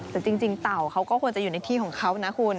แต่จริงเต่าเขาก็ควรจะอยู่ในที่ของเขานะคุณ